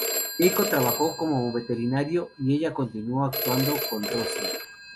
Jacob trabajó como veterinario y ella continuó actuando con Rosie.